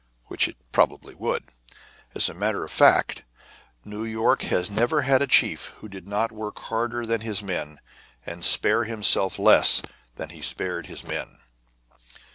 Which it probably would. As a matter of fact, New York has never had a chief who did not work harder than his men, and spare himself less than he spared his men.